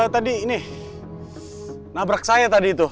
tadi ini nabrak saya tadi itu